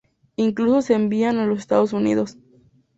Incluso se envían a los Estados Unidos.